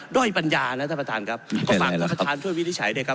ด้วยปัญญานะท่านประธานครับก็ฝากท่านประธานช่วยวินิจฉัยด้วยครับ